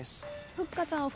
ふっかちゃんは。